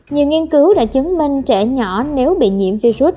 nhiều nghiên cứu đã chứng minh trẻ nhỏ nếu bị nhiễm virus